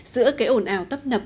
giữa cái ổn ào tấp nập